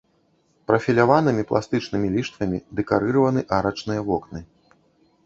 Прафіляванымі пластычнымі ліштвамі дэкарыраваны арачныя вокны.